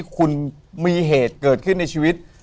คุณมีเหตุเกิดขึ้นในชีวิต